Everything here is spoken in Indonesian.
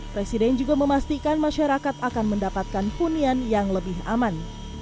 presiden juga memastikan masyarakat akan mendapatkan hunian yang lebih aman